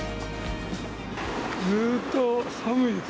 ずっと寒いです。